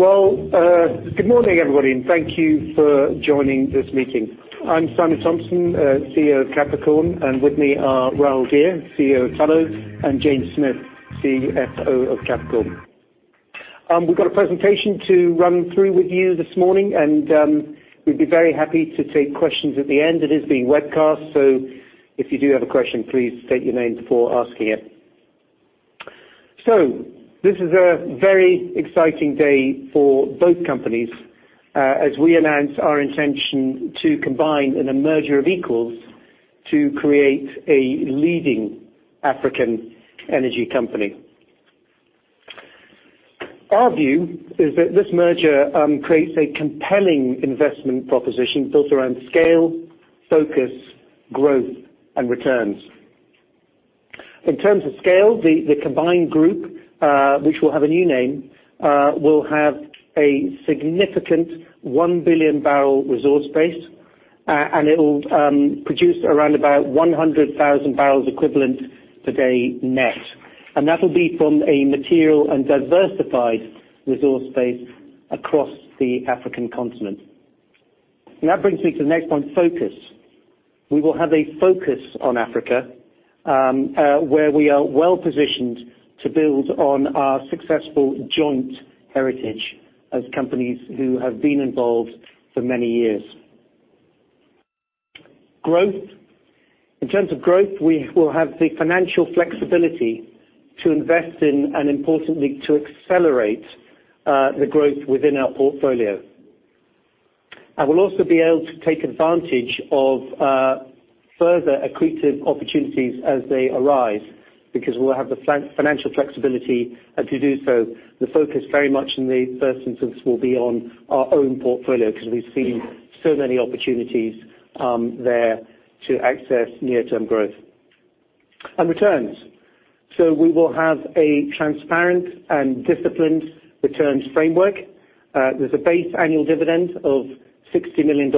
Well, good morning, everybody, and thank you for joining this meeting. I'm Simon Thomson, CEO of Capricorn, and with me are Rahul Dhir, CEO of Tullow, and James Smith, CFO of Capricorn. We've got a presentation to run through with you this morning, and we'd be very happy to take questions at the end. It is being webcast, so if you do have a question, please state your name before asking it. This is a very exciting day for both companies, as we announce our intention to combine in a merger of equals to create a leading African energy company. Our view is that this merger creates a compelling investment proposition built around scale, focus, growth, and returns. In terms of scale, the combined group, which will have a new name, will have a significant one billion barrel resource base, and it'll produce around about 100,000 barrels equivalent per day net. That'll be from a material and diversified resource base across the African continent. That brings me to the next one, focus. We will have a focus on Africa, where we are well-positioned to build on our successful joint heritage as companies who have been involved for many years. Growth. In terms of growth, we will have the financial flexibility to invest in, and importantly, to accelerate, the growth within our portfolio. We'll also be able to take advantage of, further accretive opportunities as they arise because we'll have the financial flexibility to do so. The focus very much in the first instance will be on our own portfolio because we've seen so many opportunities there to access near-term growth. Returns. We will have a transparent and disciplined returns framework. There's a base annual dividend of $60 million,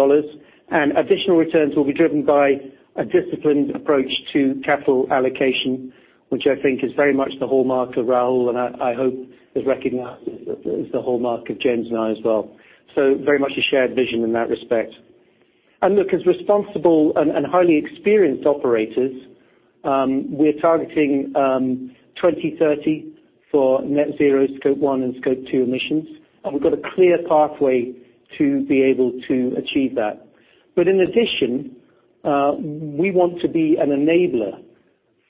and additional returns will be driven by a disciplined approach to capital allocation, which I think is very much the hallmark of Rahul, and I hope is recognized as the hallmark of James and I as well. Very much a shared vision in that respect. Look, as responsible and highly experienced operators, we're targeting 2030 for net zero Scope 1 and Scope 2 emissions, and we've got a clear pathway to be able to achieve that. In addition, we want to be an enabler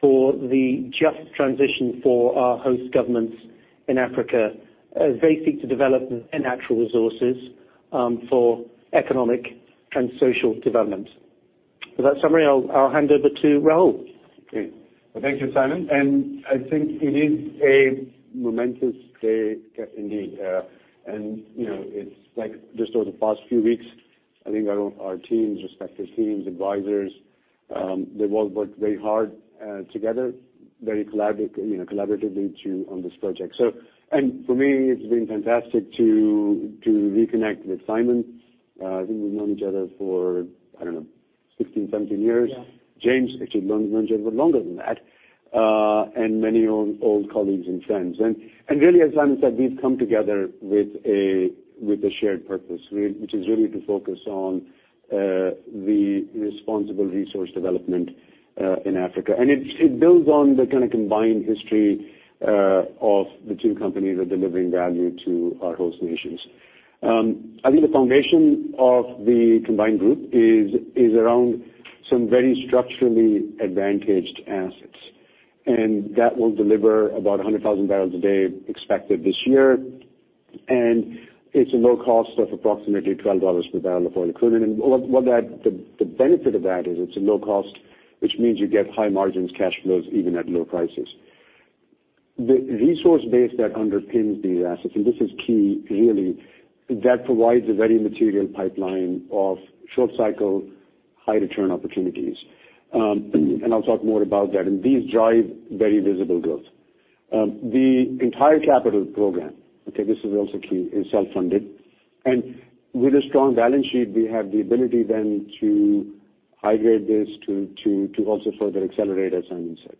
for the just transition for our host governments in Africa as they seek to develop their natural resources, for economic and social development. With that summary, I'll hand over to Rahul. Great. Well, thank you, Simon. I think it is a momentous day indeed. You know, it's like just over the past few weeks. I think our respective teams, advisors, they've all worked very hard together very collaboratively on this project. For me, it's been fantastic to reconnect with Simon. I think we've known each other for, I don't know, 16, 17 years. Yeah. James, actually known each other for longer than that, and many old colleagues and friends. Really, as Simon said, we've come together with a shared purpose which is really to focus on the responsible resource development in Africa. It builds on the kind of combined history of the two companies are delivering value to our host nations. I think the foundation of the combined group is around some very structurally advantaged assets. That will deliver about 100,000 barrels a day expected this year. It's a low cost of approximately $12 per barrel of oil equivalent. What the benefit of that is it's a low cost, which means you get high margins, cash flows, even at low prices. The resource base that underpins these assets, and this is key really, that provides a very material pipeline of short cycle, high return opportunities. I'll talk more about that. These drive very visible growth. The entire capital program, okay, this is also key, is self-funded. With a strong balance sheet, we have the ability then to leverage this to also further accelerate, as Simon said.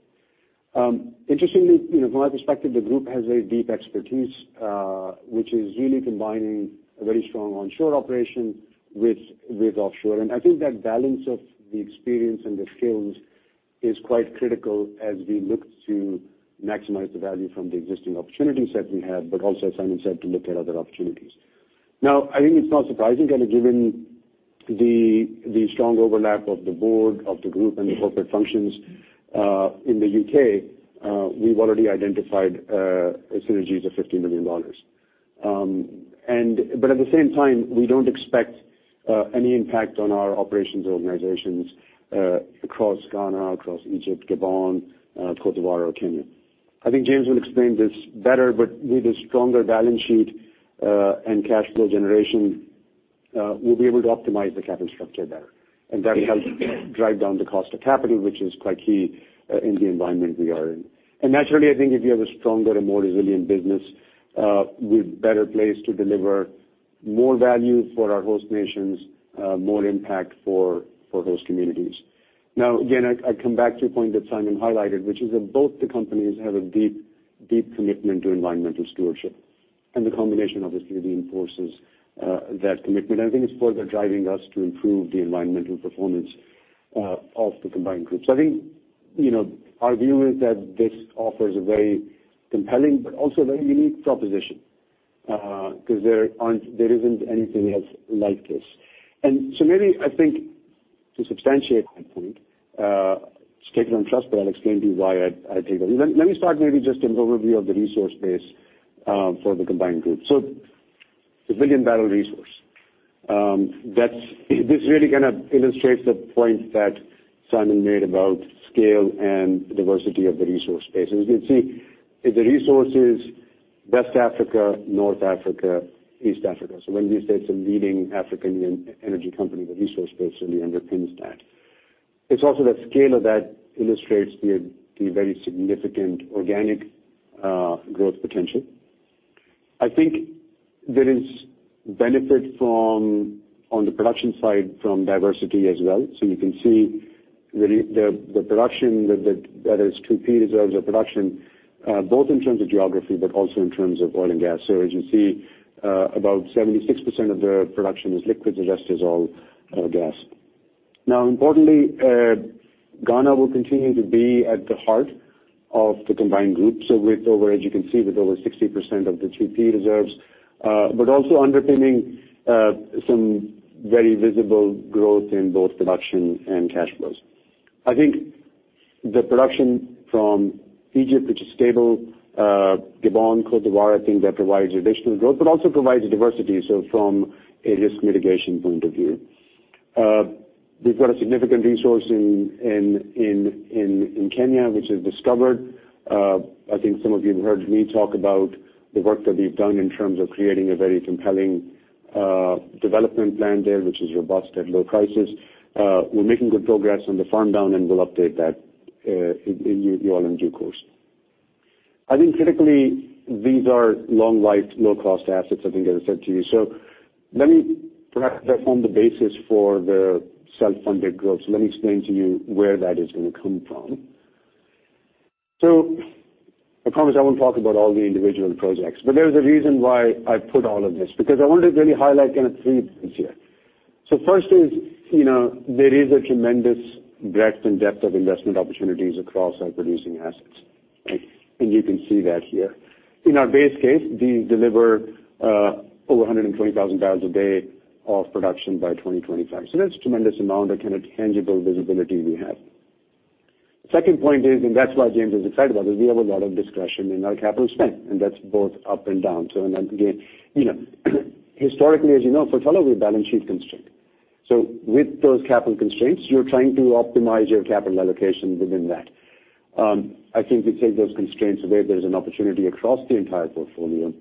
Interestingly, you know, from my perspective, the group has a deep expertise which is really combining a very strong onshore operation with offshore. I think that balance of the experience and the skills is quite critical as we look to maximize the value from the existing opportunities that we have, but also, as Simon said, to look at other opportunities. Now, I think it's not surprising, kind of given the strong overlap of the board, of the group and the corporate functions, in the UK, we've already identified synergies of $50 million. At the same time, we don't expect any impact on our operations or organizations, across Ghana, across Egypt, Gabon, Côte d'Ivoire or Kenya. I think James will explain this better, but with a stronger balance sheet, and cash flow generation, we'll be able to optimize the capital structure better. That helps drive down the cost of capital, which is quite key, in the environment we are in. Naturally, I think if you have a stronger and more resilient business, we're better placed to deliver more value for our host nations, more impact for host communities. Now, again, I come back to your point that Simon highlighted, which is that both the companies have a deep commitment to environmental stewardship, and the combination obviously reinforces that commitment. I think it's further driving us to improve the environmental performance of the combined group. So I think, you know, our view is that this offers a very compelling but also very unique proposition, because there isn't anything else like this. Maybe I think to substantiate that point, scale and trust, but I'll explain to you why I take that. Let me start maybe just an overview of the resource base for the combined group. A 1 billion-barrel resource. This really kinda illustrates the point that Simon made about scale and diversity of the resource base. As you can see, the resources, West Africa, North Africa, East Africa. When we say it's a leading African energy company, the resource base certainly underpins that. It's also the scale of that illustrates the very significant organic growth potential. I think there is benefit from, on the production side, from diversity as well. You can see the production that is 2P Reserves or production, both in terms of geography, but also in terms of oil and gas. As you see, about 76% of the production is liquids and the rest is all gas. Now, importantly, Ghana will continue to be at the heart of the combined group. As you can see, with over 60% of the 2P reserves, but also underpinning some very visible growth in both production and cash flows. I think the production from Egypt, which is stable, Gabon, Côte d'Ivoire, I think that provides additional growth, but also provides a diversity, so from a risk mitigation point of view. We've got a significant resource in Kenya, which is discovered. I think some of you have heard me talk about the work that we've done in terms of creating a very compelling development plan there, which is robust at low prices. We're making good progress on the farm down, and we'll update that in due course. I think critically, these are long life, low cost assets, I think as I said to you. Let me perhaps form the basis for the self-funded growth. Let me explain to you where that is gonna come from. I promise I won't talk about all the individual projects. There is a reason why I put all of this, because I wanted to really highlight kind of three points here. First is, you know, there is a tremendous breadth and depth of investment opportunities across our producing assets, right? You can see that here. In our base case, these deliver over 120,000 barrels a day of production by 2025. That's tremendous amount of kind of tangible visibility we have. Second point is, and that's why James is excited about this, we have a lot of discretion in our capital spend, and that's both up and down. Again, you know, historically, as you know, for Tullow, we're balance sheet constrained. With those capital constraints, you're trying to optimize your capital allocation within that. I think we take those constraints away. There's an opportunity across the entire portfolio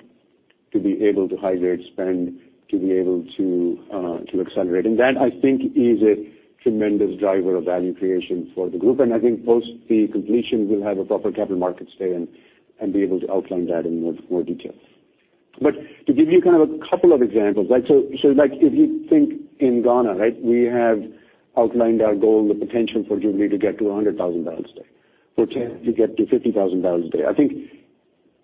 to be able to high grade spend, to be able to accelerate. That I think is a tremendous driver of value creation for the group. I think post the completion, we'll have a proper capital markets story and be able to outline that in more detail. But to give you kind of a couple of examples, right? Like if you think in Ghana, right, we have outlined our goal, the potential for Jubilee to get to 100,000 barrels a day, potential to get to 50,000 barrels a day. I think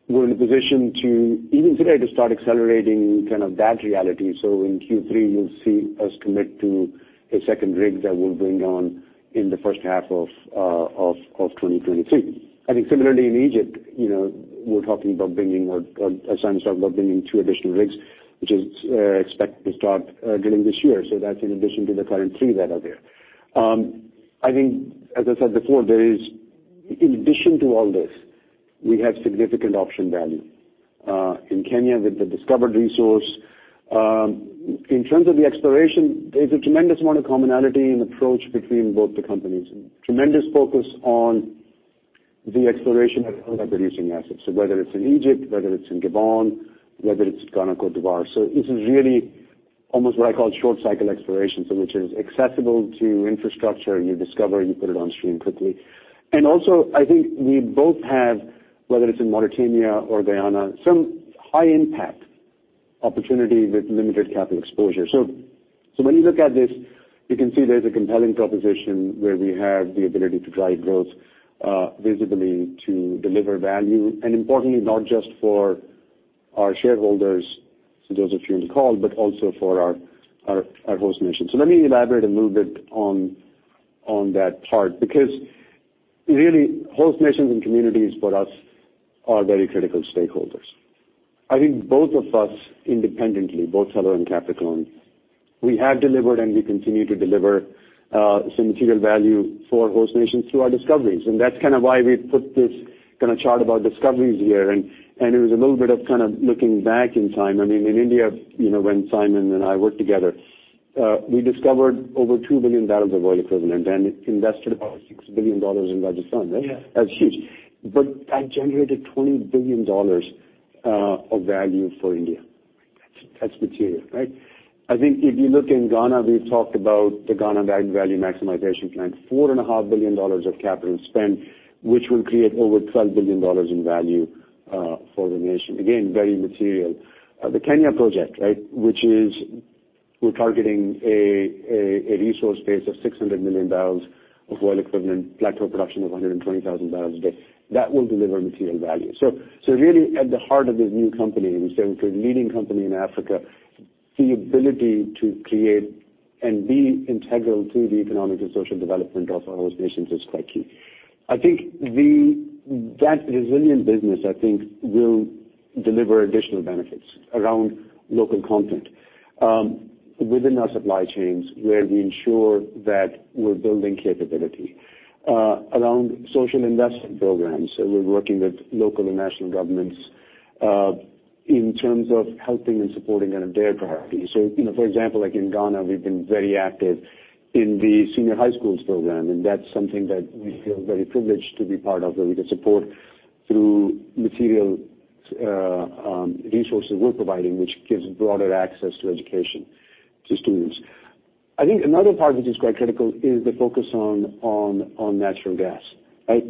we're in a position to even today to start accelerating kind of that reality. In Q3, you'll see us commit to a second rig that we'll bring on in the first half of 2022. I think similarly in Egypt, you know, we're talking about bringing, as Simon's talking about bringing two additional rigs, which is expected to start during this year. That's in addition to the current three that are there. I think, as I said before, there is in addition to all this, we have significant option value in Kenya with the discovered resource. In terms of the exploration, there's a tremendous amount of commonality and approach between both the companies. Tremendous focus on the exploration of other producing assets. Whether it's in Egypt, whether it's in Gabon, whether it's Ghana, Côte d'Ivoire. This is really almost what I call short cycle exploration. Which is accessible to infrastructure, you discover, you put it on stream quickly. I think we both have, whether it's in Mauritania or Guyana, some high impact opportunity with limited capital exposure. When you look at this, you can see there's a compelling proposition where we have the ability to drive growth, visibly to deliver value, and importantly, not just for our shareholders. Those of you on the call, but also for our host nation. Let me elaborate a little bit on that part, because really host nations and communities for us are very critical stakeholders. I think both of us independently, both Tullow and Capricorn, we have delivered and we continue to deliver, some material value for host nations through our discoveries. That's kind of why we put this kind of chart about discoveries here. It was a little bit of kind of looking back in time. I mean, in India, you know, when Simon and I worked together, we discovered over two billion barrels of oil equivalent and invested about $6 billion in Rajasthan, right? Yeah. That's huge. That generated $20 billion of value for India, right? That's material, right? I think if you look in Ghana, we've talked about the Ghana value maximization plan, $4.5 billion of capital spend, which will create over $12 billion in value for the nation. Again, very material. The Kenya project, right. We're targeting a resource base of 600 million barrels of oil equivalent plateau production of 120,000 barrels a day. That will deliver material value. Really at the heart of this new company, we said we're a leading company in Africa. The ability to create and be integral to the economic and social development of our host nations is quite key. I think that resilient business will deliver additional benefits around local content within our supply chains, where we ensure that we're building capability around social investment programs. We're working with local and national governments in terms of helping and supporting on their priorities. You know, for example, like in Ghana, we've been very active in the senior high schools program, and that's something that we feel very privileged to be part of, where we can support through material resources we're providing, which gives broader access to education to students. I think another part which is quite critical is the focus on natural gas, right?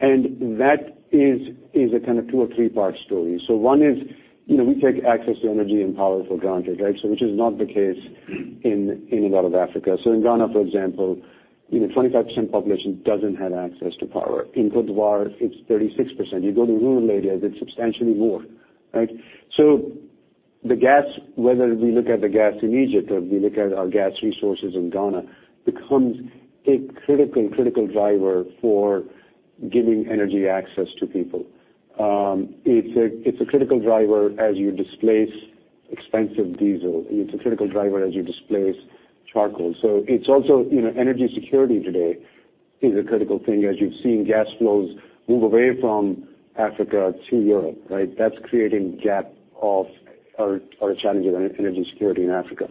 That is a kind of two or three part story. One is, you know, we take access to energy and power for granted, right? Which is not the case in a lot of Africa. In Ghana, for example, you know, 25% population doesn't have access to power. In Côte d'Ivoire, it's 36%. You go to rural areas, it's substantially more, right? The gas, whether we look at the gas in Egypt or we look at our gas resources in Ghana, becomes a critical driver for giving energy access to people. It's a critical driver as you displace expensive diesel. It's a critical driver as you displace charcoal. It's also, you know, energy security today is a critical thing, as you've seen gas flows move away from Africa to Europe, right? That's creating a gap or a challenge of energy security in Africa.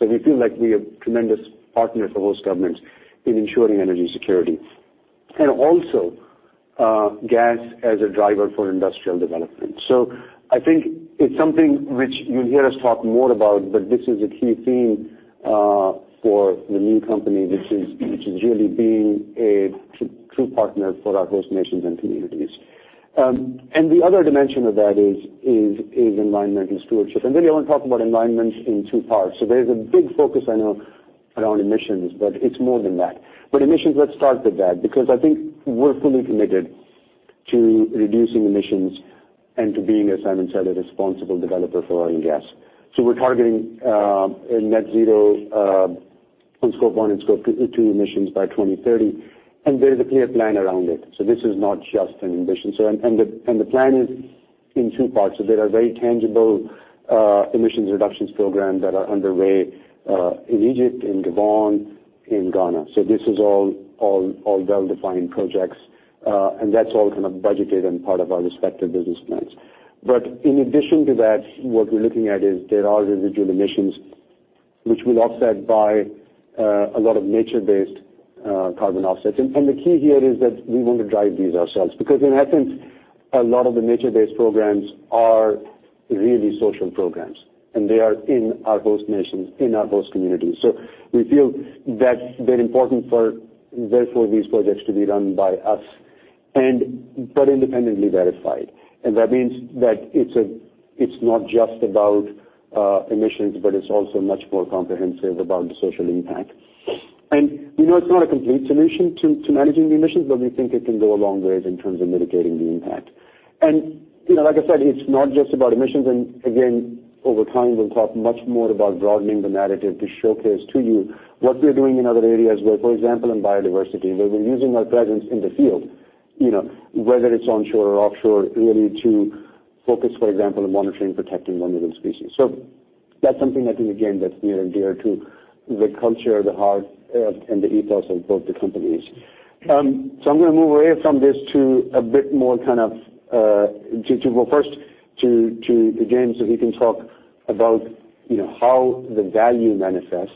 We feel like we are tremendous partners for host governments in ensuring energy security. Also, gas as a driver for industrial development. I think it's something which you'll hear us talk more about, but this is a key theme for the new company, which is really being a true partner for our host nations and communities. The other dimension of that is environmental stewardship. Maybe I want to talk about environment in two parts. There's a big focus I know around emissions, but it's more than that. Emissions, let's start with that, because I think we're fully committed to reducing emissions and to being, as Simon said, a responsible developer for oil and gas. We're targeting a net zero on Scope 1 and Scope 2 emissions by 2030, and there's a clear plan around it. This is not just an ambition. The plan is in two parts. There are very tangible emissions reductions program that are underway in Egypt, in Gabon, in Ghana. This is all well-defined projects and that's all kind of budgeted and part of our respective business plans. In addition to that, what we're looking at is there are residual emissions which we'll offset by a lot of nature-based carbon offsets. The key here is that we want to drive these ourselves, because in essence, a lot of the nature-based programs are really social programs, and they are in our host nations, in our host communities. We feel that's very important for therefore these projects to be run by us and but independently verified. That means that it's not just about emissions, but it's also much more comprehensive about the social impact. We know it's not a complete solution to managing the emissions, but we think it can go a long way in terms of mitigating the impact. You know, like I said, it's not just about emissions. Again, over time, we'll talk much more about broadening the narrative to showcase to you what we're doing in other areas where, for example, in biodiversity, where we're using our presence in the field, you know, whether it's onshore or offshore, really to focus, for example, on monitoring, protecting vulnerable species. That's something I think again, that's near and dear to the culture, the heart, and the ethos of both the companies. I'm gonna move away from this to a bit more kind of to go first to James, so he can talk about, you know, how the value manifests,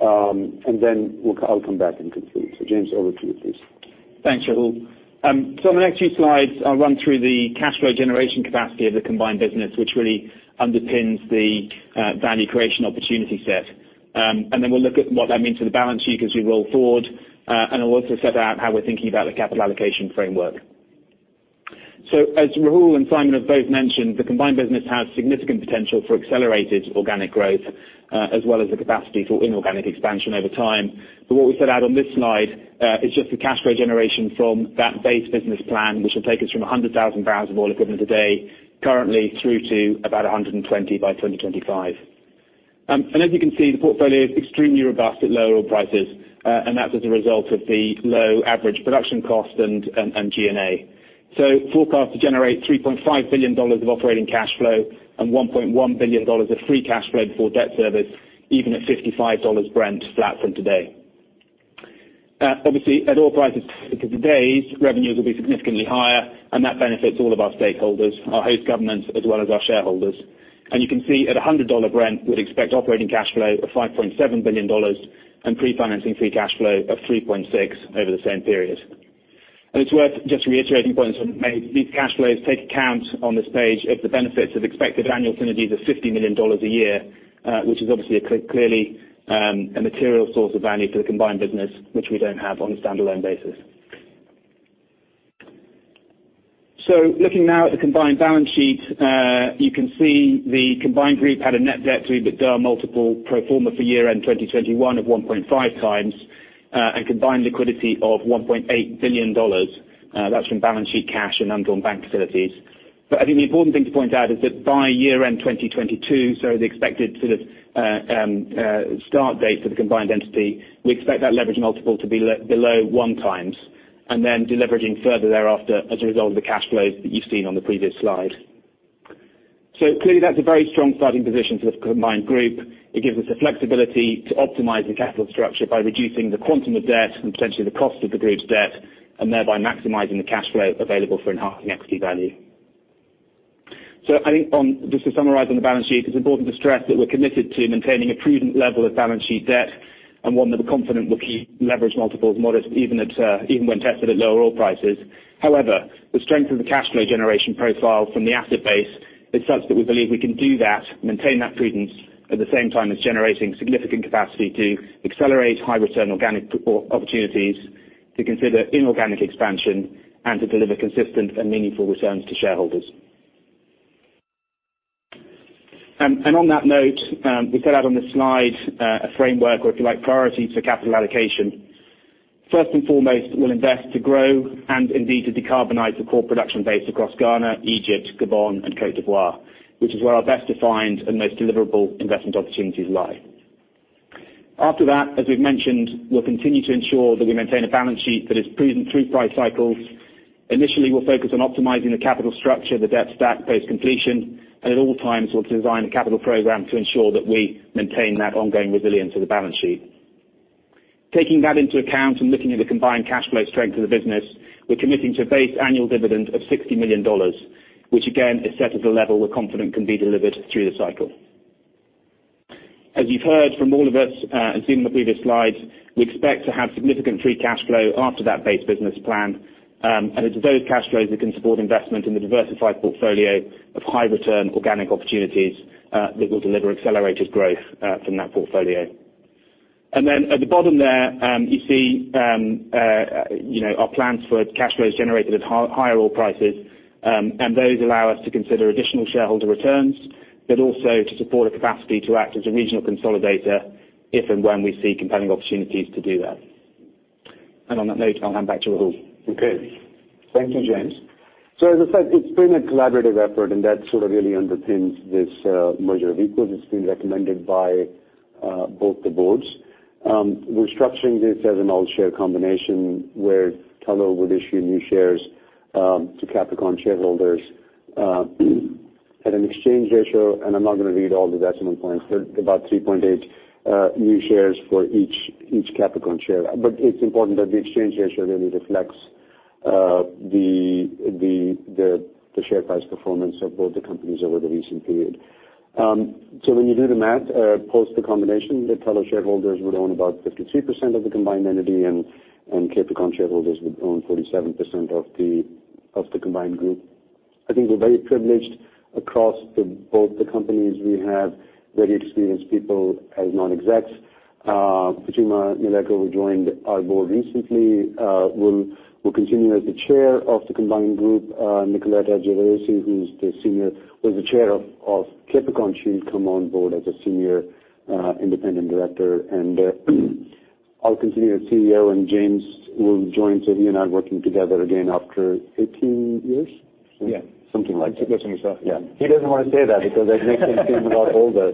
and then I'll come back and conclude. James, over to you, please. Thanks, Rahul. On the next few slides, I'll run through the cash flow generation capacity of the combined business, which really underpins the value creation opportunity set. Then we'll look at what that means for the balance sheet as we roll forward, and I'll also set out how we're thinking about the capital allocation framework. As Rahul and Simon have both mentioned, the combined business has significant potential for accelerated organic growth, as well as the capacity for inorganic expansion over time. What we set out on this slide is just the cash flow generation from that base business plan, which will take us from 100,000 barrels of oil equivalent a day currently through to about 120 by 2025. As you can see, the portfolio is extremely robust at low oil prices, and that's as a result of the low average production cost and G&A. Forecast to generate $3.5 billion of operating cash flow and $1.1 billion of free cash flow before debt service, even at $55 Brent flat from today. Obviously, at higher oil prices because today's revenues will be significantly higher and that benefits all of our stakeholders, our host governments, as well as our shareholders. You can see at a $100 Brent, we'd expect operating cash flow of $5.7 billion and pre-financing free cash flow of $3.6 billion over the same period. It's worth just reiterating points made. These cash flows take account of this page of the benefits of expected annual synergies of $50 million a year, which is obviously a clearly a material source of value for the combined business, which we don't have on a standalone basis. Looking now at the combined balance sheet, you can see the combined group had a net debt to EBITDA multiple pro forma for year-end 2021 of 1.5x, and combined liquidity of $1.8 billion. That's from balance sheet cash and undrawn bank facilities. I think the important thing to point out is that by year-end 2022, so the expected sort of start date for the combined entity, we expect that leverage multiple to be below 1x, and then deleveraging further thereafter as a result of the cash flows that you've seen on the previous slide. Clearly that's a very strong starting position for the combined group. It gives us the flexibility to optimize the capital structure by reducing the quantum of debt and potentially the cost of the group's debt, and thereby maximizing the cash flow available for enhancing equity value. I think on... Just to summarize on the balance sheet, it's important to stress that we're committed to maintaining a prudent level of balance sheet debt and one that we're confident will keep leverage multiples modest even at, even when tested at lower oil prices. However, the strength of the cash flow generation profile from the asset base is such that we believe we can do that and maintain that prudence at the same time as generating significant capacity to accelerate high return organic opportunities to consider inorganic expansion and to deliver consistent and meaningful returns to shareholders. On that note, we set out on this slide, a framework or if you like, priorities for capital allocation. First and foremost, we'll invest to grow and indeed to decarbonize the core production base across Ghana, Egypt, Gabon, and Cote d'Ivoire, which is where our best defined and most deliverable investment opportunities lie. After that, as we've mentioned, we'll continue to ensure that we maintain a balance sheet that is prudent through price cycles. Initially, we'll focus on optimizing the capital structure, the debt stack post-completion, and at all times, we'll design a capital program to ensure that we maintain that ongoing resilience of the balance sheet. Taking that into account and looking at the combined cash flow strength of the business, we're committing to a base annual dividend of $60 million, which again is set at a level we're confident can be delivered through the cycle. As you've heard from all of us, and seen in the previous slides, we expect to have significant free cash flow after that base business plan. It's those cash flows that can support investment in the diversified portfolio of high return organic opportunities that will deliver accelerated growth from that portfolio. At the bottom there, you see, you know, our plans for cash flows generated at higher oil prices, and those allow us to consider additional shareholder returns, but also to support a capacity to act as a regional consolidator if and when we see compelling opportunities to do that. On that note, I'll hand back to Rahul. Okay. Thank you, James. As I said, it's been a collaborative effort, and that sort of really underpins this merger of equals. It's been recommended by both the boards. We're structuring this as an all-share combination, where Tullow will issue new shares to Capricorn shareholders at an exchange ratio, and I'm not gonna read all the decimal points, but about 3.8 new shares for each Capricorn share. It's important that the exchange ratio really reflects the share price performance of both the companies over the recent period. When you do the math, post the combination, the Tullow shareholders would own about 52% of the combined entity and Capricorn shareholders would own 47% of the combined group. I think we're very privileged across both the companies. We have very experienced people as non-execs. Phuthuma Nhleko, who joined our board recently, will continue as the chair of the combined group. Nicoletta Giadrossi was the chair of Capricorn, she'll come on board as a senior independent director. I'll continue as CEO, and James will join. He and I working together again after 18 years? Yeah. Something like that. I think that's enough. Yeah. He doesn't wanna say that because it makes him seem a lot older.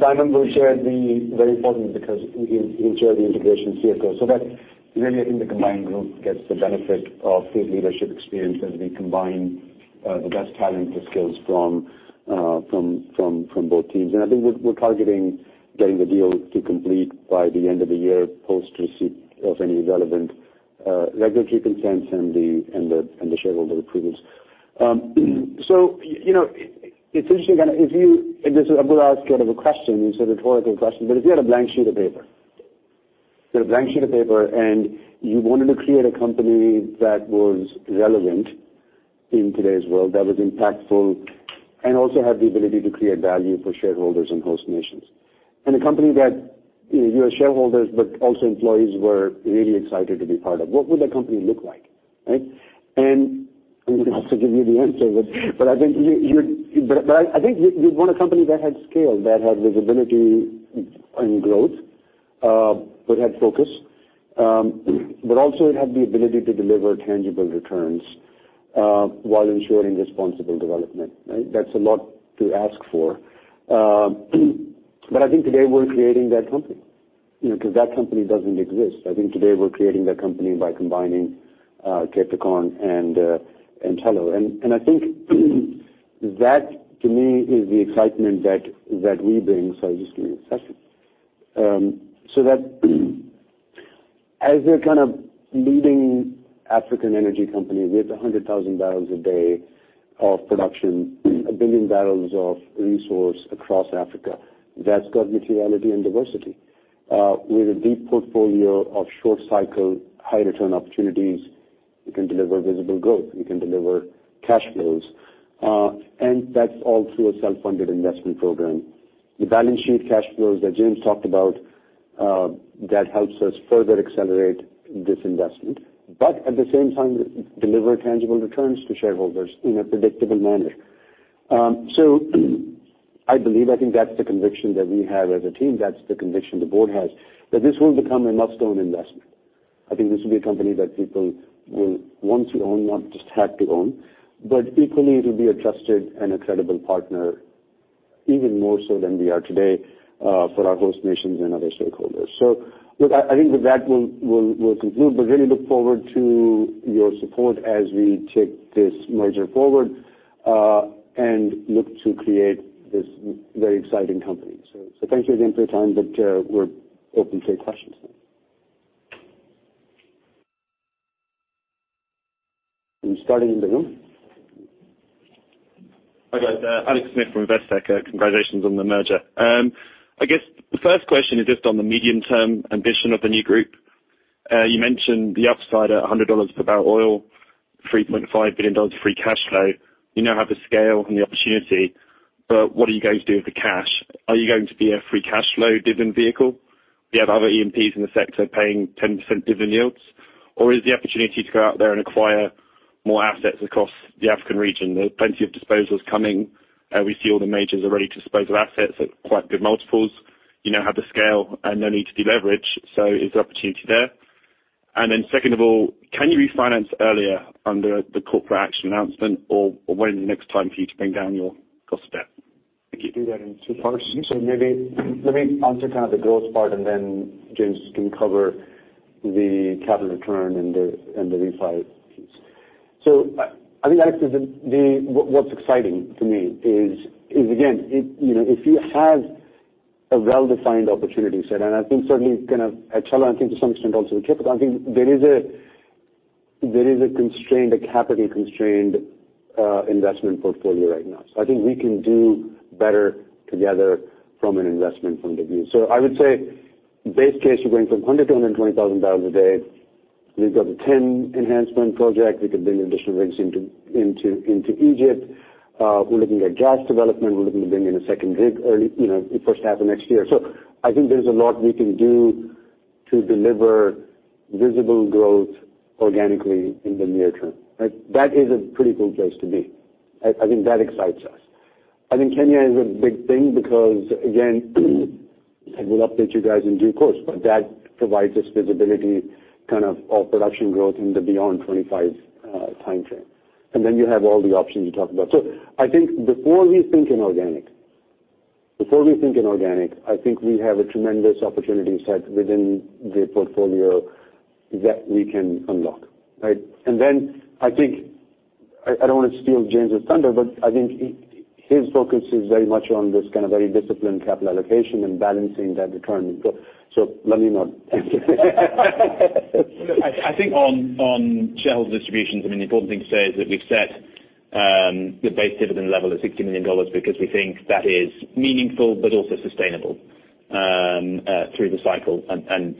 Simon will share the integration CEO. Very important because he'll share the integration CEO. That really, I think the combined group gets the benefit of clear leadership experience as we combine the best talent and skills from both teams. I think we're targeting getting the deal to complete by the end of the year, post receipt of any relevant regulatory consents and the shareholder approvals. You know, it's interesting. This is, I'm gonna ask kind of a question. It's a rhetorical question. If you had a blank sheet of paper and you wanted to create a company that was relevant in today's world, that was impactful and also had the ability to create value for shareholders and host nations, and a company that, you know, your shareholders but also employees were really excited to be part of, what would that company look like, right? I'm not gonna give you the answer. I think you'd want a company that had scale, that had visibility and growth, but had focus. But also it had the ability to deliver tangible returns while ensuring responsible development, right? That's a lot to ask for. I think today we're creating that company. You know, 'cause that company doesn't exist. I think today we're creating that company by combining Capricorn and Tullow. I think that to me is the excitement that we bring. Sorry, just giving a session. That as a kind of leading African energy company with 100,000 barrels a day of production, 1 billion barrels of resource across Africa, that's got materiality and diversity. With a deep portfolio of short cycle, high return opportunities, we can deliver visible growth. We can deliver cash flows. That's all through a self-funded investment program. The balance sheet cash flows that James talked about, that helps us further accelerate this investment, but at the same time, deliver tangible returns to shareholders in a predictable manner. I believe, I think that's the conviction that we have as a team. That's the conviction the board has, that this will become a must-own investment. I think this will be a company that people will want to own, not just have to own. Equally, it will be a trusted and a credible partner, even more so than we are today, for our host nations and other stakeholders. Look, I think with that, we'll conclude, but really look forward to your support as we take this merger forward, and look to create this very exciting company. Thank you again for your time, but, we're open to your questions now. Are we starting in the room? Hi guys, Alex Smith from Investec. Congratulations on the merger. I guess the first question is just on the medium-term ambition of the new group. You mentioned the upside at $100 per barrel oil, $3.5 billion free cash flow. You now have the scale and the opportunity, but what are you going to do with the cash? Are you going to be a free cash flow dividend vehicle? We have other E&Ps in the sector paying 10% dividend yields. Or is the opportunity to go out there and acquire more assets across the African region? There are plenty of disposals coming. We see all the majors are ready to dispose of assets at quite good multiples. You now have the scale and no need to deleverage, so is there opportunity there? Second of all, can you refinance earlier under the corporate action announcement, or when is the next time for you to bring down your cost of debt? Thank you. Do that in two parts. Maybe let me answer kind of the growth part, and then James can cover the capital return and the refi piece. I think, Alex, what's exciting to me is again, you know, if you have a well-defined opportunity set, and I think certainly kind of at Jubilee and I think to some extent also at Kenya, I think there is a constraint, a capital-constrained investment portfolio right now. I think we can do better together from an investment viewpoint. I would say base case, we're going from 100 to 120 thousand barrels a day. We've got the TEN Enhancement project. We can bring additional rigs into Egypt. We're looking at gas development. We're looking to bring in a second rig early, you know, in first half of next year. I think there's a lot we can do to deliver visible growth organically in the near term, right? That is a pretty cool place to be. I think that excites us. I think Kenya is a big thing because, again, and we'll update you guys in due course, but that provides us visibility kind of production growth in the beyond 2025 timeframe. You have all the options you talked about. I think before we think inorganic, I think we have a tremendous opportunity set within the portfolio that we can unlock, right? I think I don't wanna steal James' thunder, but I think his focus is very much on this kind of very disciplined capital allocation and balancing that return. Let me not. Well, look, I think on shareholder distributions, I mean, the important thing to say is that we've set the base dividend level at $60 million because we think that is meaningful but also sustainable through the cycle.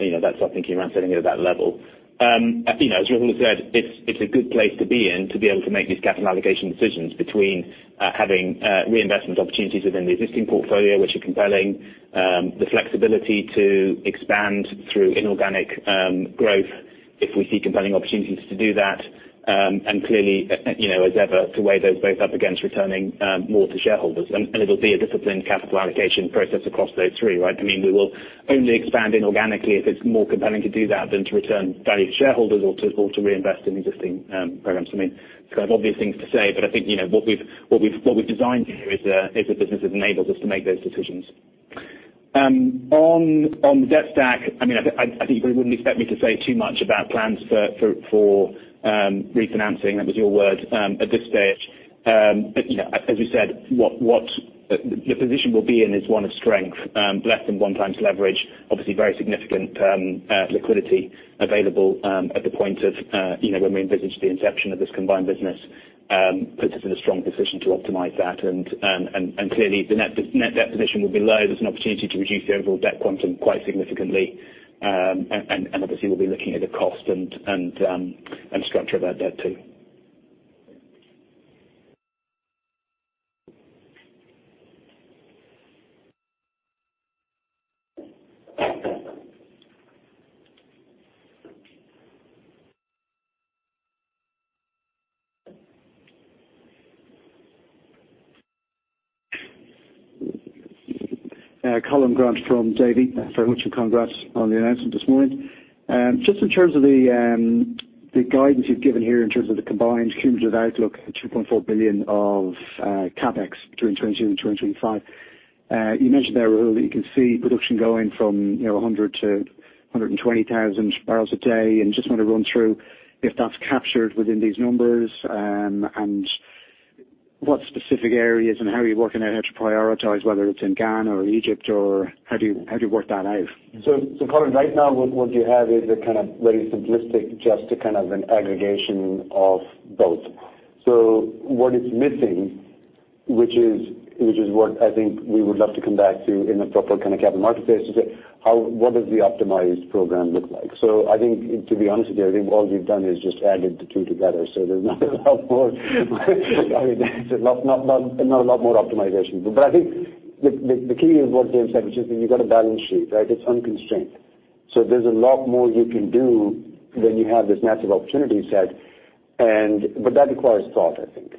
You know, that's our thinking around setting it at that level. You know, as Rahul has said, it's a good place to be in to be able to make these capital allocation decisions between having reinvestment opportunities within the existing portfolio, which are compelling, the flexibility to expand through inorganic growth if we see compelling opportunities to do that, and clearly, you know, as ever, to weigh those both up against returning more to shareholders. It'll be a disciplined capital allocation process across those three, right? I mean, we will only expand inorganically if it's more compelling to do that than to return value to shareholders or to reinvest in existing programs. I mean, it's kind of obvious things to say, but I think, you know, what we've designed here is a business that enables us to make those decisions. On the debt stack, I mean, I think you probably wouldn't expect me to say too much about plans for refinancing, that was your word, at this stage. You know, as we said, what the position we'll be in is one of strength, less than 1x leverage, obviously very significant liquidity available at the point of, you know, when we envisage the inception of this combined business, puts us in a strong position to optimize that. Clearly the net debt position will be low. There's an opportunity to reduce the overall debt quantum quite significantly. Obviously we'll be looking at the cost and structure of our debt too. Colin Grant from Davy. Very much congrats on the announcement this morning. Just in terms of the guidance you've given here in terms of the combined cumulative outlook, the $2.4 billion of CapEx between 2022 and 2035. You mentioned there, Rahul, that you can see production going from, you know, 100-120 thousand barrels a day, and just wanna run through if that's captured within these numbers, and what specific areas and how are you working out how to prioritize whether it's in Ghana or Egypt or how do you, how do you work that out? Colin, right now what you have is a kind of very simplistic, just a kind of an aggregation of both. What is missing, which is what I think we would love to come back to in a proper kind of capital market space to say how, what does the optimized program look like? I think to be honest with you, I think all we've done is just added the two together. There's not a lot more I mean, not a lot more optimization. But I think the key is what James said, which is that you've got a balance sheet, right? It's unconstrained. There's a lot more you can do when you have this massive opportunity set and, but that requires thought, I think.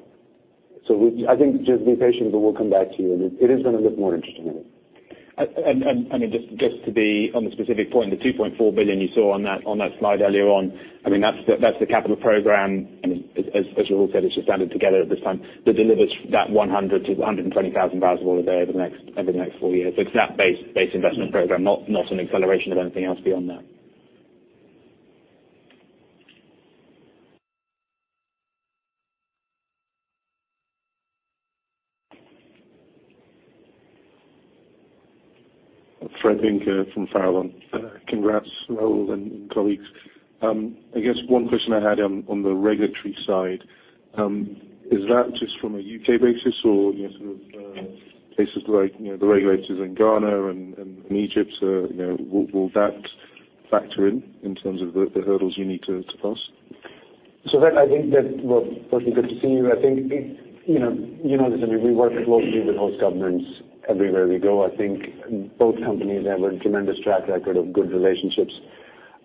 I think just be patient, but we'll come back to you. It is gonna look more interesting. I mean, just to be on the specific point, the $2.4 billion you saw on that slide earlier on, I mean, that's the capital program. I mean, as you all said, it's just added together at this time, that delivers that 100-120 thousand barrels of oil a day over the next four years. It's that base investment program, not an acceleration of anything else beyond that. Fred Binka from Farallon. Congrats Rahul and colleagues. I guess one question I had on the regulatory side, is that just from a U.K. basis or, you know, sort of, places like, you know, the regulators in Ghana and Egypt, you know, will that factor in terms of the hurdles you need to pass? Well, firstly good to see you. I think it's, you know this, I mean, we work closely with host governments everywhere we go. I think both companies have a tremendous track record of good relationships.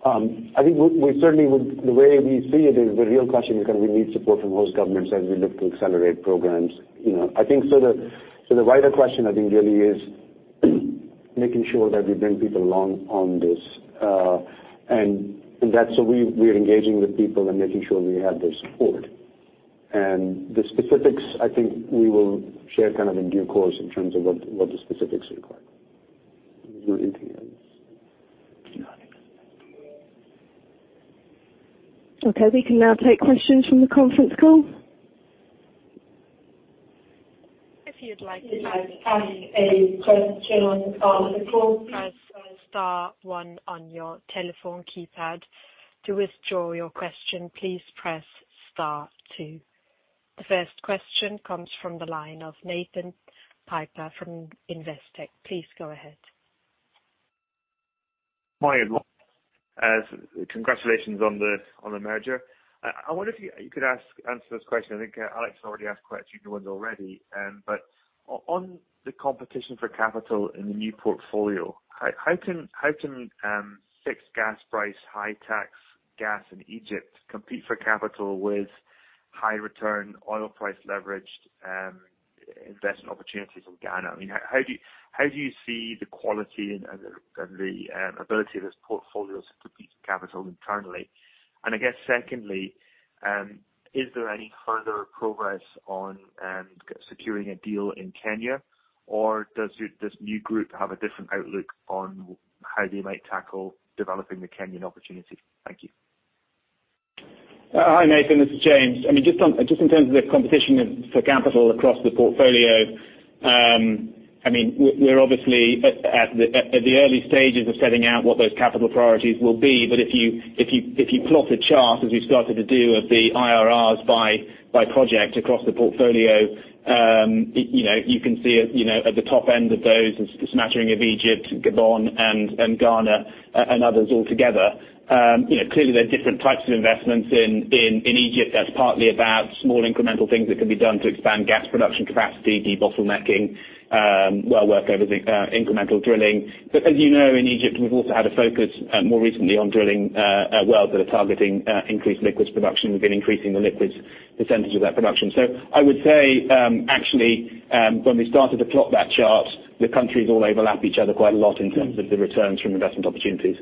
I think we certainly would. The way we see it is the real question is, kind of, we need support from host governments as we look to accelerate programs. You know, I think so the wider question I think really is making sure that we bring people along on this, and that's what we are engaging with people and making sure we have their support. The specifics, I think we will share, kind of, in due course in terms of what the specifics require. Okay. We can now take questions from the conference call. If you'd like to ask a question on the call, please press star one on your telephone keypad. To withdraw your question, please press star two. The first question comes from the line of Nathan Piper from Investec. Please go ahead. Morning. Congratulations on the merger. I wonder if you could answer this question. I think Alex has already asked quite a few good ones already. On the competition for capital in the new portfolio, how can fixed gas price, high tax gas in Egypt compete for capital with high return oil price leveraged investment opportunities from Ghana? I mean, how do you see the quality and the ability of those portfolios to beat capital internally? I guess secondly, is there any further progress on securing a deal in Kenya, or does this new group have a different outlook on how they might tackle developing the Kenyan opportunity? Thank you. Hi, Nathan. This is James. I mean, just on, just in terms of the competition for capital across the portfolio, I mean, we're obviously at the early stages of setting out what those capital priorities will be. If you plot a chart, as we've started to do, of the IRRs by project across the portfolio, you know, you can see it, you know, at the top end of those, a smattering of Egypt, Gabon, and Ghana and others all together. You know, clearly there are different types of investments in Egypt. That's partly about small incremental things that can be done to expand gas production capacity, debottlenecking, well workovers, incremental drilling. As you know, in Egypt, we've also had a focus, more recently on drilling, wells that are targeting, increased liquids production. We've been increasing the liquids percentage of that production. I would say, actually, when we started to plot that chart, the countries all overlap each other quite a lot in terms of the returns from investment opportunities.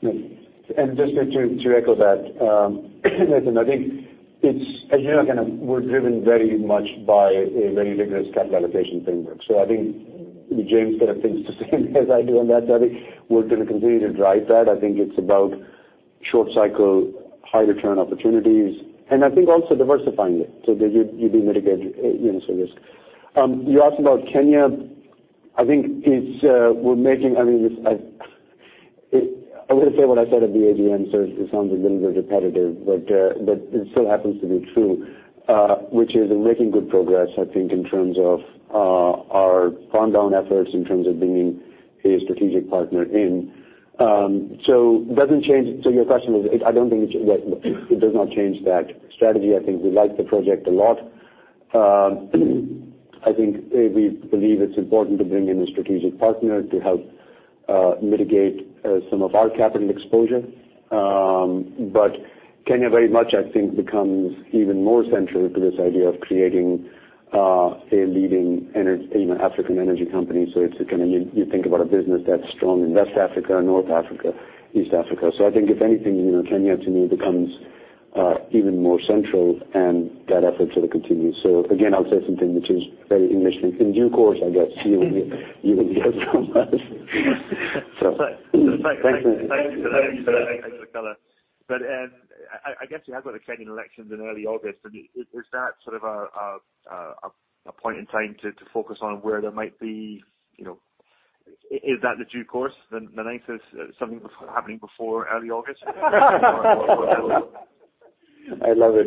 Just to echo that, Nathan, I think it's, as you know, kind of, we're driven very much by a very rigorous capital allocation framework. I think James kind of thinks the same as I do on that topic. We're gonna continue to drive that. I think it's about short cycle, high return opportunities, and I think also diversifying it so that you do mitigate, you know, some risk. You asked about Kenya. I think I'm gonna say what I said at the AGM, so it sounds a little bit repetitive, but it still happens to be true, which is we're making good progress, I think, in terms of our farm down efforts, in terms of bringing a strategic partner in. Doesn't change. Your question is, I don't think it's, it does not change that strategy. I think we like the project a lot. I think we believe it's important to bring in a strategic partner to help mitigate some of our capital exposure. Kenya very much, I think, becomes even more central to this idea of creating a leading you know, African energy company. You know, you think about a business that's strong in West Africa, North Africa, East Africa. I think if anything, you know, Kenya to me becomes even more central and that effort sort of continues. Again, I'll say something which is very English, in due course, I guess you will hear from us. Thanks. Thanks, Nathan. Thanks for the color. I guess you have got the Kenyan elections in early August. I mean, is that sort of a point in time to focus on where there might be, you know? Is that in due course, the ninth is something happening before early August? I love it.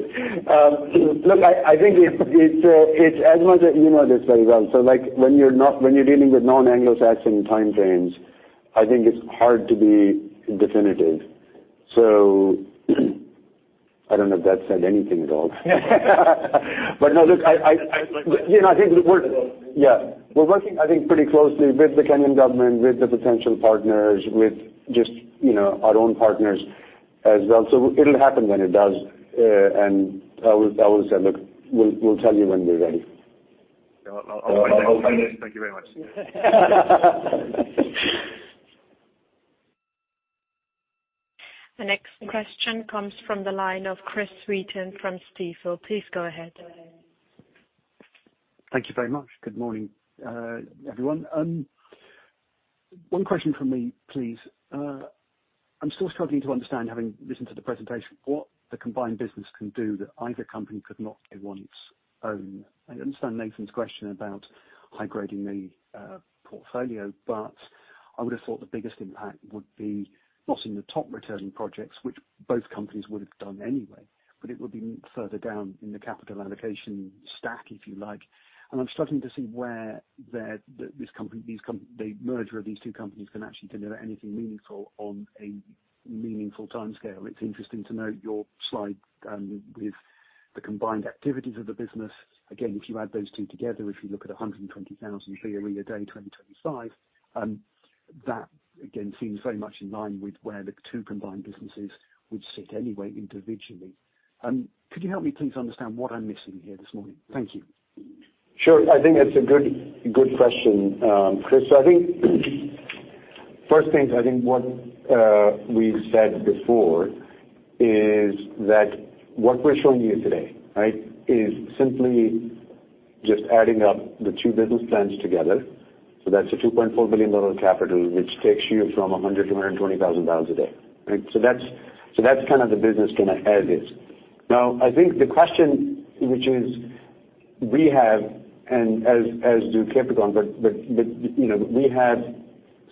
Look, I think it's as much as you know this very well. Like, when you're dealing with non-Anglo-Saxon timeframes, I think it's hard to be definitive. I don't know if that said anything at all. No, look, I you know, I think we're working, I think, pretty closely with the Kenyan government, with the potential partners, with just, you know, our own partners as well. It'll happen when it does. I will say, look, we'll tell you when we're ready. I'll wait patiently. Thank you very much. The next question comes from the line of Chris Wheaton from Stifel. Please go ahead. Thank you very much. Good morning, everyone. One question from me, please. I'm still struggling to understand, having listened to the presentation, what the combined business can do that either company could not do on its own. I understand Nathan's question about high-grading the portfolio, but I would have thought the biggest impact would be not in the top returning projects, which both companies would have done anyway, but it would be further down in the capital allocation stack, if you like. I'm struggling to see where the merger of these two companies can actually deliver anything meaningful on a meaningful timescale. It's interesting to note your slide with the combined activities of the business. Again, if you add those two together, if you look at 120,000 BOE a day, 2025, that again seems very much in line with where the two combined businesses would sit anyway individually. Could you help me please understand what I'm missing here this morning? Thank you. I think that's a good question, Chris. First, what we've said before is that what we're showing you today, right, is simply just adding up the two business plans together. That's a $2.4 billion capital, which takes you from 100 to 120 thousand dollars a day, right. That's kind of the business as is. Now, I think the question, which is we have and as do Capricorn, you know, we have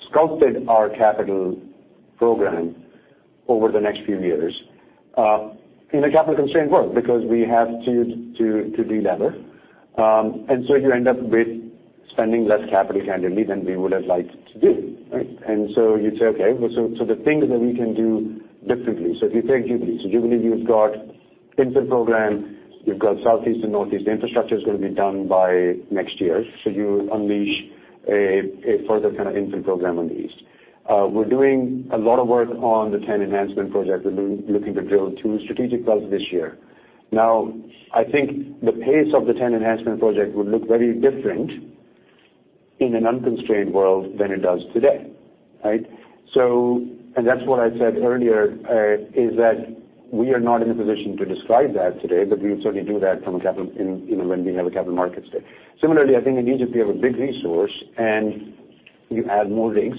sculpted our capital program over the next few years in a capital constrained world because we have to delever. You end up with spending less capital candidly than we would have liked to do, right. You'd say, okay, so the things that we can do differently. If you take Jubilee. Jubilee, you've got infill program, you've got Southeast and Northeast. The infrastructure is gonna be done by next year. You unleash a further kind of infill program on the East. We're doing a lot of work on the TEN Enhancement project. We're looking to drill two strategic wells this year. Now, I think the pace of the TEN Enhancement project would look very different in an unconstrained world than it does today, right? That's what I said earlier, is that we are not in a position to describe that today, but we would certainly do that, you know, when we have a capital markets day. I think in Egypt, we have a big resource and you add more rigs,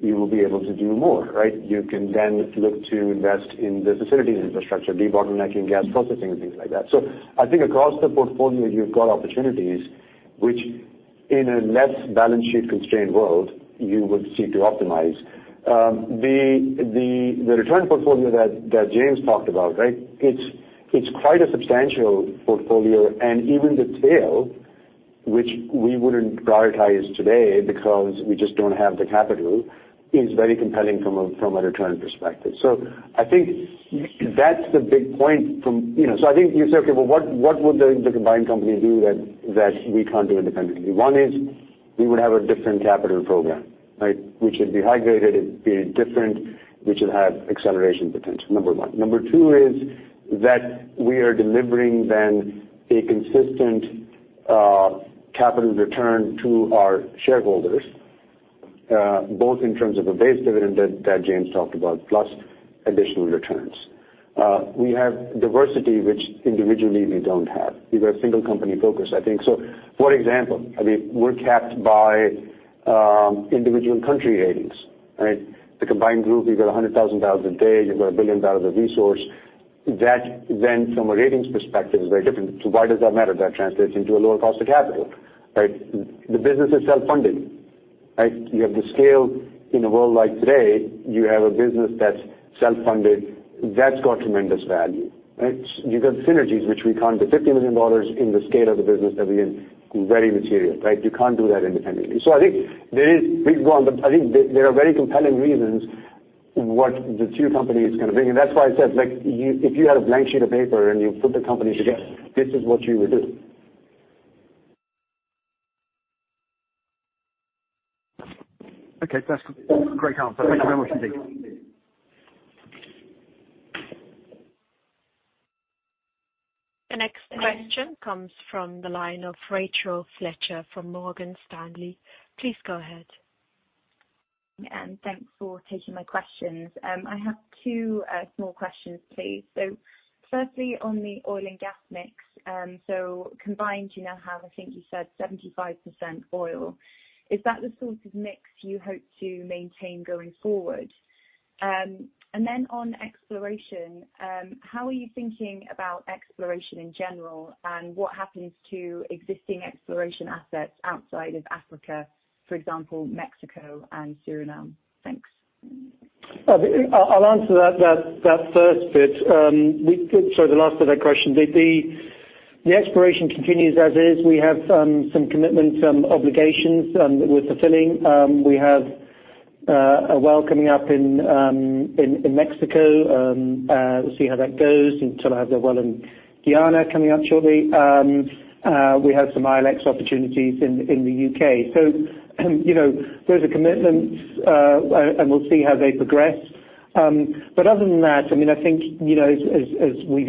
you will be able to do more, right? You can then look to invest in the facilities infrastructure, debottlenecking gas processing and things like that. I think across the portfolio, you've got opportunities which in a less balance sheet constrained world you would seek to optimize. The return portfolio that James talked about, right? It's quite a substantial portfolio. Even the tail, which we wouldn't prioritize today because we just don't have the capital, is very compelling from a return perspective. I think that's the big point. I think you say, okay, well, what would the combined company do that we can't do independently? One is we would have a different capital program, right? Which would be high-graded, it'd be different, which would have acceleration potential, number one. Number two is that we are delivering then a consistent capital return to our shareholders, both in terms of a base dividend that James talked about, plus additional returns. We have diversity which individually we don't have. We've got a single company focus, I think. For example, I mean, we're capped by individual country ratings, right? The combined group, you've got $100,000 a day, you've got $1 billion of resource. That then from a ratings perspective is very different. Why does that matter? That translates into a lower cost of capital, right? The business is self-funding, right? You have the scale in a world like today, you have a business that's self-funded, that's got tremendous value, right? You got synergies which we can't do. $50 million in the scale of the business that we're in, very material, right? You can't do that independently. I think there is big one, but I think there are very compelling reasons what the two companies can bring. That's why I said, like, if you had a blank sheet of paper and you put the company together, this is what you would do. Okay. That's great answer. Thank you very much indeed. The next question comes from the line of Rachel Fletcher from Morgan Stanley. Please go ahead. Thanks for taking my questions. I have two small questions, please. Firstly, on the oil and gas mix. Combined, you now have, I think you said 75% oil. Is that the sort of mix you hope to maintain going forward? On exploration, how are you thinking about exploration in general? What happens to existing exploration assets outside of Africa, for example, Mexico and Suriname? Thanks. I'll answer that first bit. So the last of that question. The exploration continues as is. We have some commitments, obligations with fulfilling. We have a well coming up in Mexico. We'll see how that goes. We sort of have the well in Guyana coming up shortly. We have some ILX opportunities in the UK. You know, those are commitments. And we'll see how they progress. But other than that, I mean, I think, you know, as we've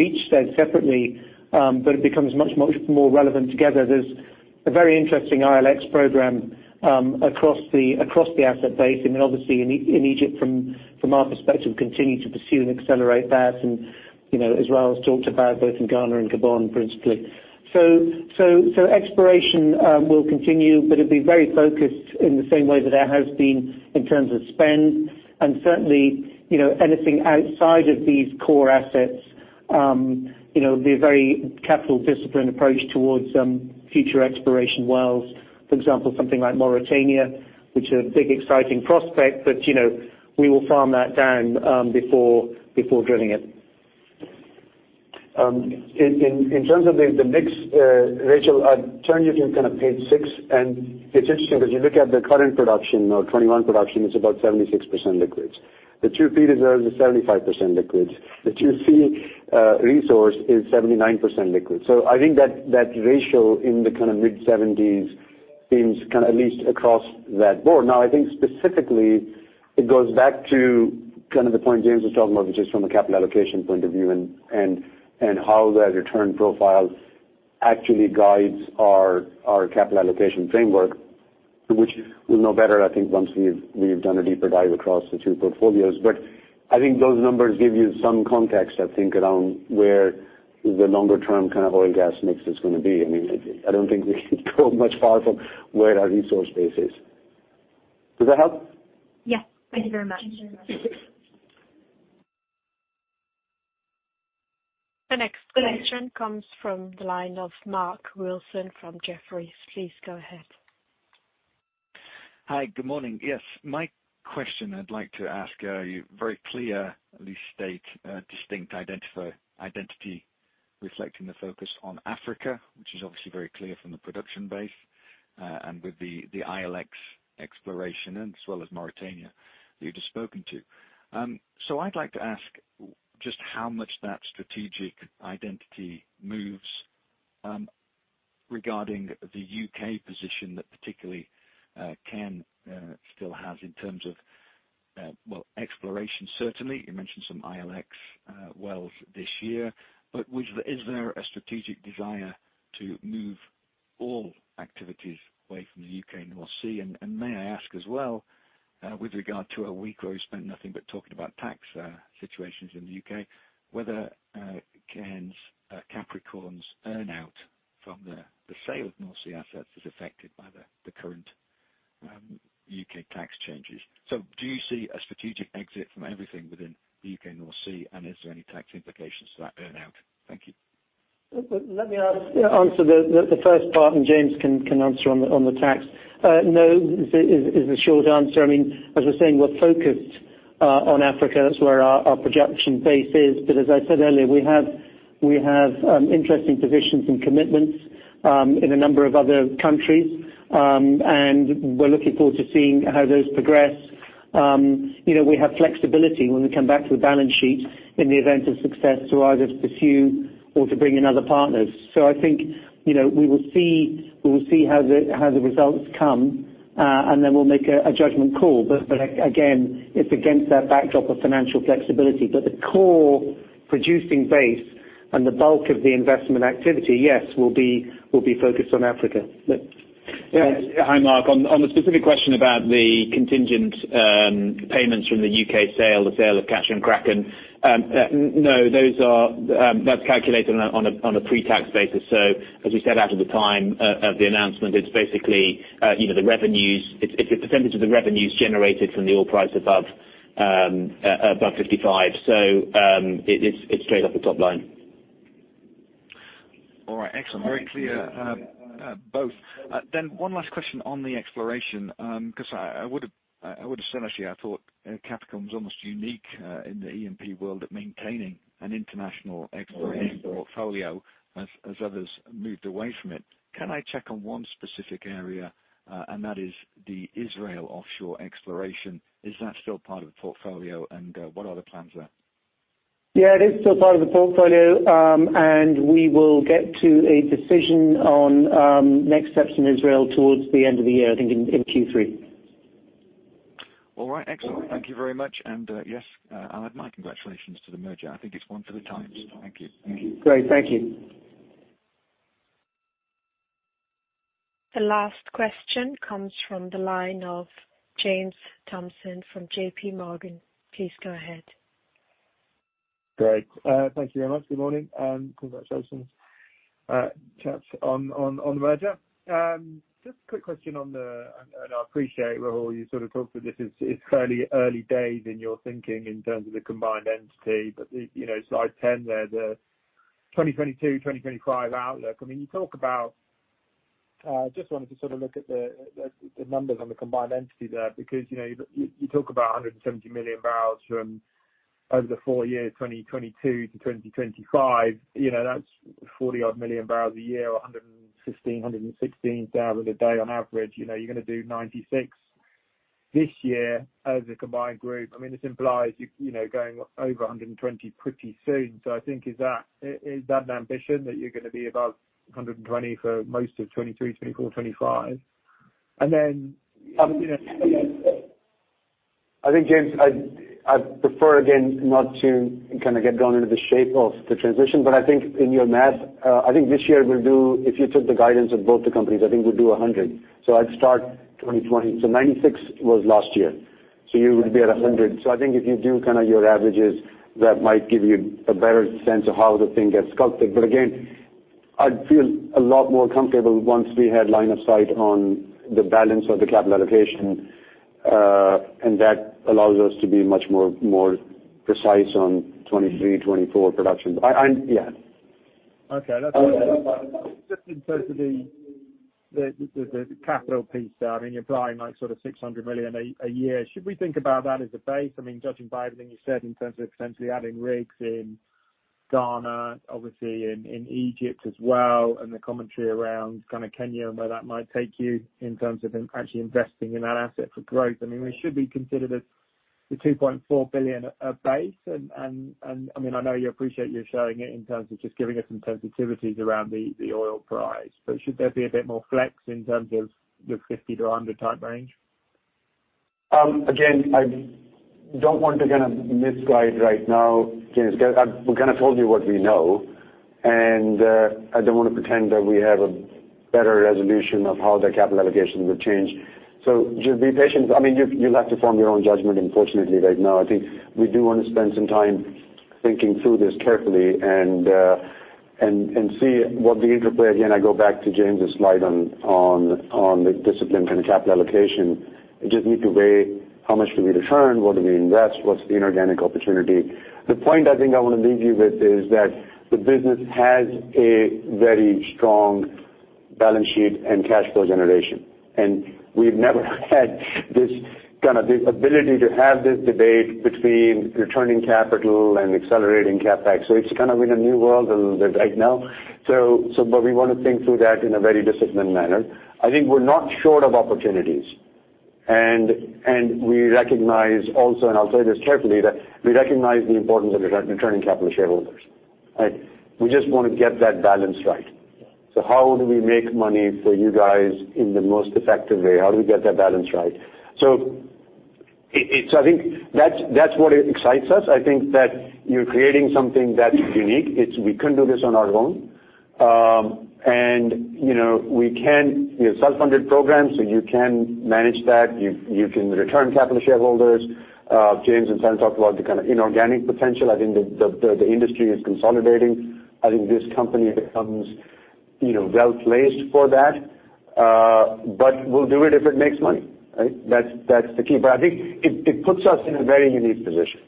each said separately, it becomes much more relevant together. There's a very interesting ILX program across the asset base. I mean, obviously in Egypt from our perspective, continue to pursue and accelerate that. You know, Rahul has talked about both in Ghana and Gabon, principally. Exploration will continue, but it'd be very focused in the same way that it has been in terms of spend. Certainly, you know, anything outside of these core assets, you know, be a very capital disciplined approach towards future exploration wells, for example, something like Mauritania, which are big, exciting prospect. You know, we will farm that down before drilling it. In terms of the mix, Rachel, I'd turn you to kind of page six. It's interesting because you look at the current production or 2021 production, it's about 76% liquids. The 2P reserves is 75% liquids. The 2C resource is 79% liquids. I think that ratio in the kind of mid-seventies seems kind of at least across the board. I think specifically it goes back to kind of the point James was talking about, just from a capital allocation point of view and how that return profile actually guides our capital allocation framework, which we'll know better, I think once we've done a deeper dive across the two portfolios. I think those numbers give you some context, I think, around where the longer term kind of oil and gas mix is gonna be. I mean, I don't think we can go much far from where our resource base is. Does that help? Yes. Thank you very much. The next question comes from the line of Mark Wilson from Jefferies. Please go ahead. Hi. Good morning. Yes, my question I'd like to ask you, very clear, at least stated distinct identifier, identity reflecting the focus on Africa, which is obviously very clear from the production base, and with the ILX exploration as well as Mauritania you've just spoken to. I'd like to ask just how much that strategic identity moves, regarding the U.K. position that particularly Kenya still has in terms of, well, exploration, certainly. You mentioned some ILX wells this year, but is there a strategic desire to move all activities away from the U.K. North Sea? May I ask as well, with regard to a week where we spent nothing but talking about tax situations in the U.K., whether Cairn's, Capricorn's earn out from the sale of North Sea assets is affected by the current U.K. tax changes. Do you see a strategic exit from everything within the U.K. North Sea? Is there any tax implications for that earn out? Thank you. Let me answer the first part, and James can answer on the tax. No is the short answer. I mean, as we're saying, we're focused on Africa. That's where our projection base is. As I said earlier, we have interesting positions and commitments in a number of other countries. We're looking forward to seeing how those progress. You know, we have flexibility when we come back to the balance sheet in the event of success to either pursue or to bring in other partners. I think, you know, we will see how the results come, and then we'll make a judgment call. Again, it's against that backdrop of financial flexibility. The core producing base and the bulk of the investment activity, yes, will be focused on Africa. Yeah. Hi, Mark. On the specific question about the contingent payments from the UK sale, the sale of Catcher and Kraken. No, those are, that's calculated on a pre-tax basis. As we set out at the time of the announcement, it's basically, you know, the revenues. It's a percentage of the revenues generated from the oil price above 55. It's straight off the top line. All right. Excellent. Very clear. Both. One last question on the exploration, because I would've said, actually I thought Capricorn was almost unique in the E&P world at maintaining an international exploration portfolio as others moved away from it. Can I check on one specific area, and that is the Israel offshore exploration. Is that still part of the portfolio and what are the plans there? Yeah, it is still part of the portfolio. We will get to a decision on next steps in Israel towards the end of the year, I think in Q3. All right. Excellent. Thank you very much. Yes, I'll add my congratulations to the merger. I think it's one for the times. Thank you. Great. Thank you. The last question comes from the line of James Thompson from JPMorgan. Please go ahead. Great. Thank you very much. Good morning, and congratulations, chaps, on the merger. Just a quick question on the, and I appreciate, Rahul, you sort of talked through this. It's fairly early days in your thinking in terms of the combined entity. You know, slide ten there, the 2022-2025 outlook. I mean, you talk about. Just wanted to sort of look at the numbers on the combined entity there because, you know, you talk about 170 million barrels from over the four-year 2022 to 2025. You know, that's 40 odd million barrels a year or 115, 116 thousand a day on average. You know, you're gonna do 96 this year as a combined group. I mean, this implies, you know, going over 120 pretty soon. I think is that an ambition that you're gonna be above 120 for most of 2023, 2024, 2025? I think, James, I prefer again, not to kinda get down into the shape of the transition, but I think in your math, I think this year we'll do, if you took the guidance of both the companies, I think we'll do 100. I'd start 2020. 96 was last year. You would be at 100. I think if you do kinda your averages, that might give you a better sense of how the thing gets sculpted. But again, I'd feel a lot more comfortable once we had line of sight on the balance of the capital allocation, and that allows us to be much more precise on 2023, 2024 production. Yeah. Okay. That's just in terms of the capital piece there, I mean, you're buying like sort of $600 million a year. Should we think about that as a base? I mean, judging by everything you said in terms of essentially adding rigs in Ghana, obviously in Egypt as well, and the commentary around kinda Kenya and where that might take you in terms of actually investing in that asset for growth. I mean, we should be considered as the $2.4 billion a base and I mean, I know you appreciate you showing it in terms of just giving us some sensitivities around the oil price. But should there be a bit more flex in terms of the $50-$100 type range? Again, I don't want to kinda misguide right now, James. We kinda told you what we know, and I don't wanna pretend that we have a better resolution of how the capital allocations would change. Just be patient. I mean, you'll have to form your own judgment, unfortunately, right now. I think we do wanna spend some time thinking through this carefully and see what the interplay. Again, I go back to James' slide on the discipline kinda capital allocation. You just need to weigh how much do we return, what do we invest, what's the inorganic opportunity? The point I think I wanna leave you with is that the business has a very strong balance sheet and cash flow generation. We've never had this, kinda this ability to have this debate between returning capital and accelerating CapEx. It's kind of in a new world a little bit right now. We wanna think through that in a very disciplined manner. I think we're not short of opportunities. We recognize also, and I'll say this carefully, that we recognize the importance of returning capital to shareholders. Right? We just wanna get that balance right. How do we make money for you guys in the most effective way? How do we get that balance right? I think that's what excites us. I think that you're creating something that's unique. It's we couldn't do this on our own. You know, we can self-funded programs, so you can manage that. You can return capital to shareholders. James and Simon talk about the kinda inorganic potential. I think the industry is consolidating. I think this company becomes, you know, well-placed for that. We'll do it if it makes money. Right? That's the key. I think it puts us in a very unique position.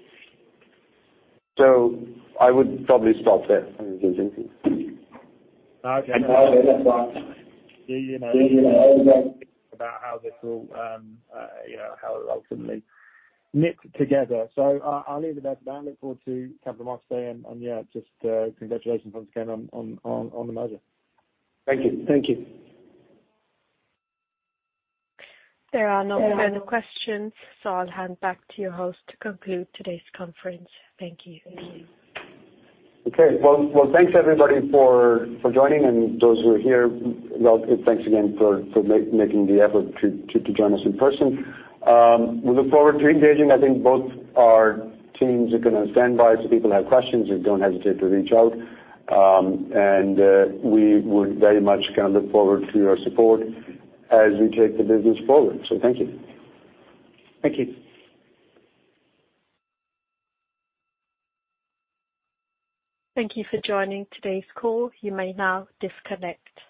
I would probably stop there. Okay. About how this will, you know, how it'll ultimately knit together. I'll leave it at that. I look forward to catching the market today. Yeah, just congratulations once again on the merger. Thank you. Thank you. There are no further questions, so I'll hand back to your host to conclude today's conference. Thank you. Okay. Well, thanks everybody for joining and those who are here. Well, thanks again for making the effort to join us in person. We look forward to engaging. I think both our teams are gonna stand by, so if people have questions, don't hesitate to reach out. We would very much kinda look forward to your support as we take the business forward. Thank you. Thank you. Thank you for joining today's call. You may now disconnect.